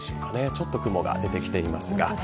ちょっと雲が出てきていますか。